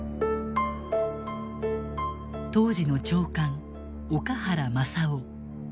当時の長官岡原昌男。